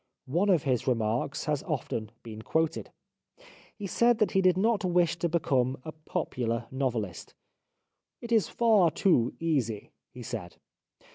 One of his remarks has often been quoted. He said that he did not wish to become a popular novelist. " It is far too easy," he said.